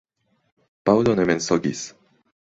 Paŭlo ne mensogis.